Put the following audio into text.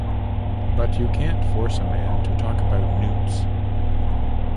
But you can't force a man to talk about newts.